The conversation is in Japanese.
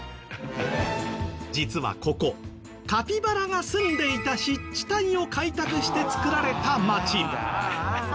実はここカピバラがすんでいた湿地帯を開拓してつくられた町。